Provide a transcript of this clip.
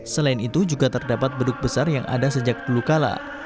selain itu juga terdapat beduk besar yang ada sejak dulu kala